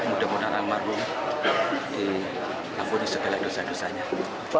mudah mudahan almarhum diampuni segala dosa dosanya